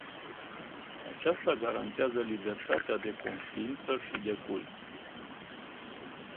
Acesta garantează libertatea de conștiință și de cult.